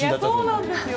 そうなんですよ。